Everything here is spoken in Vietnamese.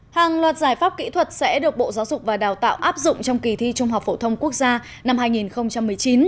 hàng loạt giải pháp kỹ thuật sẽ được bộ giáo dục và đào tạo áp dụng trong kỳ thi trung học phổ thông quốc gia năm hai nghìn một mươi chín